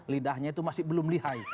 lidahnya itu masih belum lihai